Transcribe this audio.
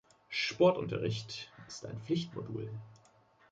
Sportunterricht ist ein Pflichtmodul.